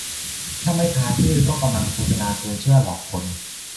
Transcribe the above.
ถ้าไม่พาซื่อ ก็กำลังโฆษณาชวนเชื่อหลอกคน